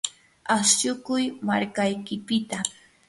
ashukuy markaykipita.